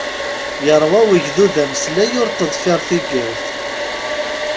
Yeṛwa wegdud ameslay ur teḍfir tigawt.